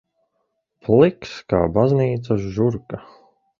Pliks kā baznīcas žurka.